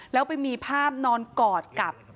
แล้วไปมีภาพนอนกอดกับ